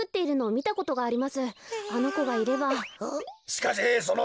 しかしその